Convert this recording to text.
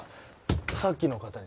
さっきの方に？